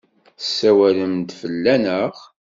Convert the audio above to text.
Tessawalem-d fell-aneɣ?